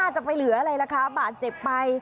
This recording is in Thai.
จะไปเหลืออะไรล่ะคะบาดเจ็บไป